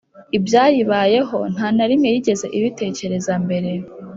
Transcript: ibyayibayeho, nta na rimwe yigeze ibitekereza mbere;